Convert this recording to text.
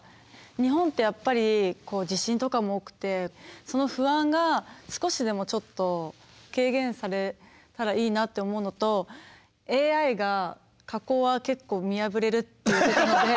日本ってやっぱり地震とかも多くてその不安が少しでもちょっと軽減されたらいいなって思うのとＡＩが加工は結構見破れるっていうことなので。